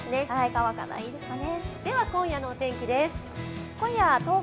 乾かないですかね。